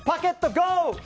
ゴー！